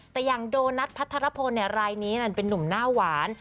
แต่อย่างโดนัทพัทรพลรายนี้นั้นเป็นนุ่มหน้าหวาน